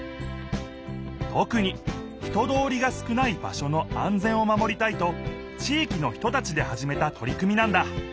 とくに人通りが少ない場所の安全を守りたいと地域の人たちではじめたとり組みなんだ。